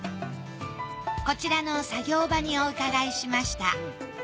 こちらの作業場にお伺いしました。